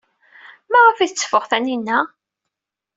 Maɣef ay teffeɣ Taninna?